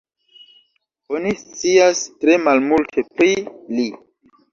Oni scias tre malmulte pri li.